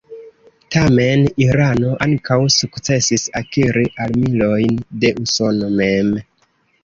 Tamen, Irano ankaŭ sukcesis akiri armilojn de Usono mem.